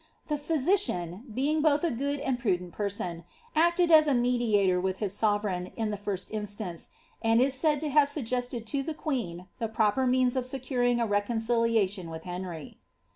The physician, being both a good and a prudent person, acted as a mediator irith his sovereign, in the first instance, and is said to have suggested to the queen the proper means of securing a reconciliation with Henry.'